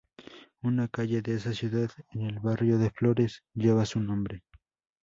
Una calle de esa ciudad, en el barrio de Flores, lleva su nombre.